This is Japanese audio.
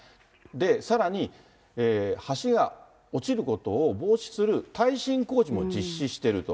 さらに、橋が落ちることを防止する耐震工事も実施してると。